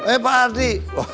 eh pak hardi